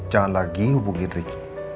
jangan lagi hubungi ricky